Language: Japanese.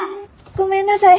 ごめんなさい！